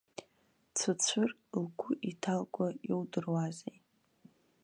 Дцәыцәыр лгәы иҭалкуа иудыруазеи.